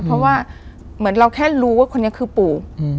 เพราะว่าเหมือนเราแค่รู้ว่าคนนี้คือปู่